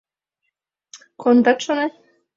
— Кондат, шонет?